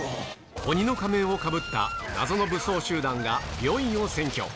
鬼の仮面をかぶった謎の武装集団が病院を占拠。